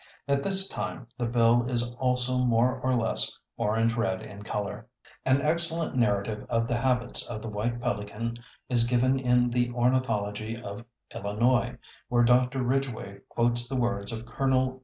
At this time the bill is also more or less orange red in color. An excellent narrative of the habits of the White Pelican is given in the Ornithology of Illinois, where Dr. Ridgway quotes the words of Col.